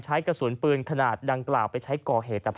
ใช้กระสุนปืนขนาดดังกล่าวไปใช้ก่อเหตุ